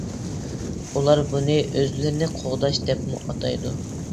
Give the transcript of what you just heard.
ئۇلار بۇنى ئۆزلىرىنى قوغداش دەپمۇ ئاتايدۇ.